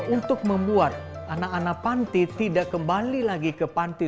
untuk membuat anak anak panti tidak kembali lagi ke panti